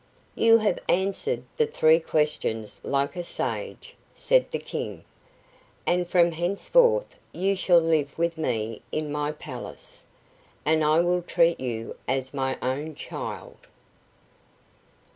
"You have answered the three questions like a sage," said the King, "and from henceforward you shall live with me in my palace, and I will treat you as my own child."